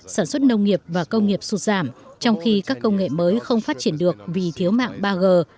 sản xuất nông nghiệp và công nghiệp sụt giảm trong khi các công nghệ mới không phát triển được vì thiếu mạng ba g